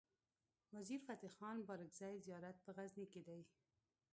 وزیر فتح خان بارګزی زيارت په غزنی کی دی